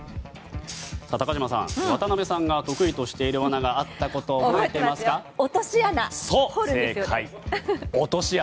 高島さん、渡辺さんが得意としているわながあったことを落とし穴。